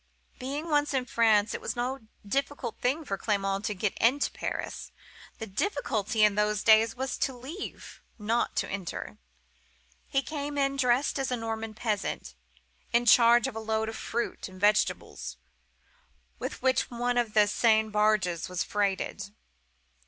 "Being once in France, it was no difficult thing for Clement to get into Paris. The difficulty in those days was to leave, not to enter. He came in dressed as a Norman peasant, in charge of a load of fruit and vegetables, with which one of the Seine barges was freighted.